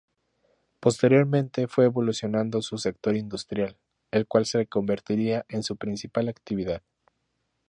Posteriormente fue evolucionando su sector industrial, el cual se convertiría en su principal actividad.